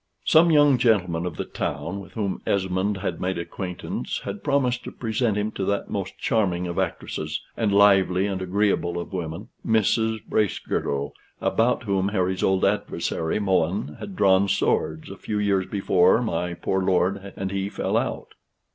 Some young gentlemen of the town, with whom Esmond had made acquaintance, had promised to present him to that most charming of actresses, and lively and agreeable of women, Mrs. Bracegirdle, about whom Harry's old adversary Mohun had drawn swords, a few years before my poor lord and he fell out.